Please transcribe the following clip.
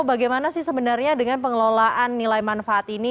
bagaimana sih sebenarnya dengan pengelolaan nilai manfaat ini